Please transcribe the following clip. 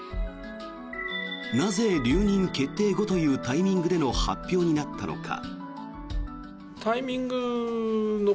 なぜ、留任決定後というタイミングでの発表になったのか。